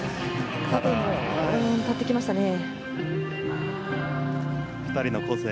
立ってきましたね。